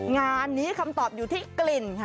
งานนี้คำตอบอยู่ที่กลิ่นค่ะ